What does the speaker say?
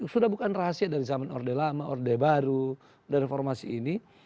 sudah bukan rahasia dari zaman orde lama orde baru dan reformasi ini